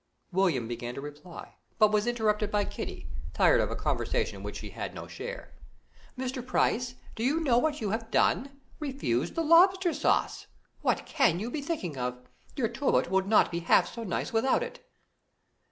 William began to reply, but was interrupted by Kitty, tired of a conversation in which she had no share. "Mr. Price, do you know what you have done? refused the lobster sauce! What can you be thinking of? your turbot will not be half so nice without it!"